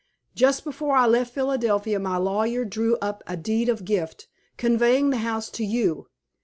Just before I left Philadelphia my lawyer drew up a deed of gift, conveying the house to you.